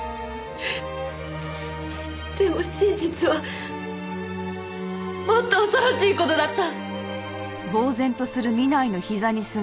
でも真実はもっと恐ろしい事だった。